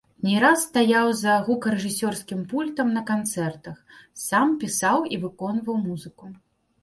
Не раз стаяў за гукарэжысёрскім пультам на канцэртах, сам пісаў і выконваў музыку.